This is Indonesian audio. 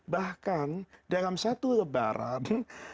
bahkan dalam satu lebaran